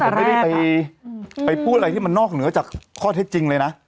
ผมไม่ได้ไปพูดอะไรที่มันนอกเหนือจากข้อเท็จจริงเลยนะ